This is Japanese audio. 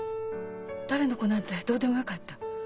誰の子なんてどうでもよかった。